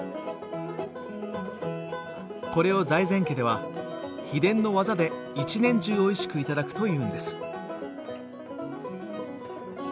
これを財前家では秘伝の技で一年中おいしく頂くというんです。